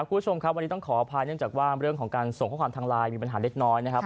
คุณผู้ชมครับวันนี้ต้องขออภัยเนื่องจากว่าเรื่องของการส่งข้อความทางไลน์มีปัญหาเล็กน้อยนะครับ